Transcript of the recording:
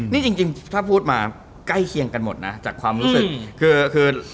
นี่จริงถ้าพูดมาใกล้เคียงกันหมดนะจากความรู้สึกคือคือ